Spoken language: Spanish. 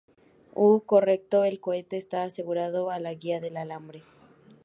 Uh, correcto. El cohete esta asegurado a la guia de alambre.